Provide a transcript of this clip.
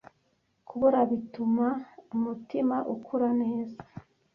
Kubura bituma umutima ukura neza.